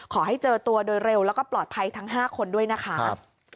ขอให้เจอตัวโดยเร็วแล้วก็ปลอดภัยทั้ง๕คนด้วยนะคะ